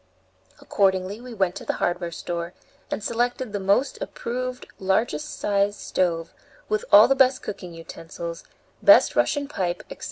Accordingly we went to the hardware store and selected the most approved, largest sized stove, with all the best cooking utensils, best Russian pipe, etc.